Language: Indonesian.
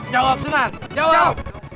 jawab sunan jawab